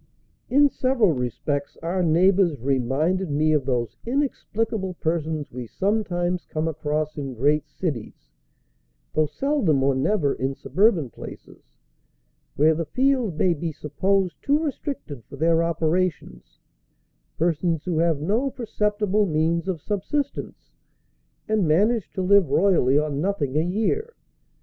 In several respects our neighbors reminded me of those inexplicable persons we sometimes come across in great cities, though seldom or never in suburban places, where the field may be supposed too restricted for their operations persons who have no perceptible means of subsistence, and manage to live royally on nothing a year.